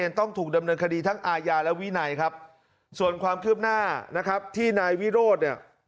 ทัศน์เจนต้องถูกดำเนินคดีทั้งอายาและวินัยครับส่วนความขืนหน้าที่นายวิโรธ